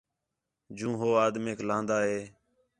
جوں ہو آدمیک لہن٘دا ہِے